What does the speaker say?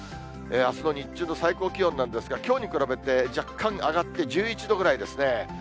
あすの日中の最高気温なんですが、きょうに比べて若干上がって１１度ぐらいですね。